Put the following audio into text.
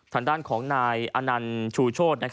ทางด้านของนายอนันต์ชูโชธ